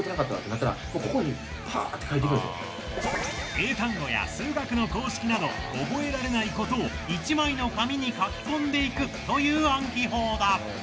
英単語や数学の公式など覚えられないことを１枚の紙に書き込んでいくという暗記法だ。